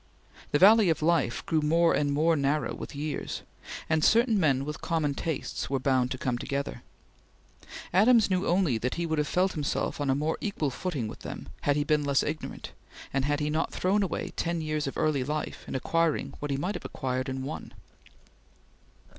The valley of life grew more and more narrow with years, and certain men with common tastes were bound to come together. Adams knew only that he would have felt himself on a more equal footing with them had he been less ignorant, and had he not thrown away ten years of early life in acquiring what he might have acquired in one.